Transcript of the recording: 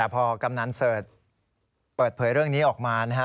พอกำนันเสิร์ชเปิดเผยเรื่องนี้ออกมานะฮะ